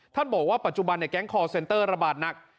บอกว่าปัจจุบันแก๊งคอร์เซ็นเตอร์ระบาดหนัก